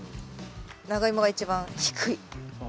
ナガイモが一番低い。